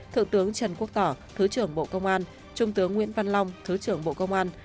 thượng tướng trần quốc tỏ thứ trưởng bộ công an trung tướng nguyễn văn long thứ trưởng bộ công an